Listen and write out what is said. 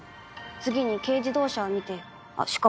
次に軽自動車を見てしかも。